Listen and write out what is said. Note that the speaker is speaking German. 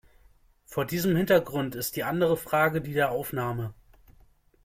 Vor diesem Hintergrund ist die andere Frage die der Aufnahme.